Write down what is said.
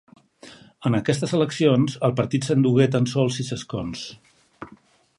En aquestes eleccions el partit s'endugué tan sols sis escons.